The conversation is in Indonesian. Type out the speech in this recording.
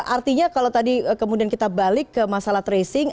artinya kalau tadi kemudian kita balik ke masalah tracing